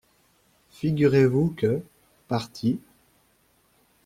Figurez-vous que, parti…